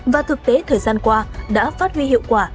và thực tế thời gian qua đã phát huy hiệu quả